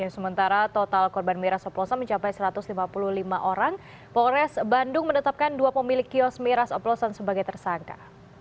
sementara total korban miras oplosan mencapai satu ratus lima puluh lima orang polres bandung menetapkan dua pemilik kios miras oplosan sebagai tersangka